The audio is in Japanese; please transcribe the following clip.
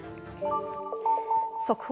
速報。